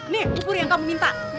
nih ukur yang kamu minta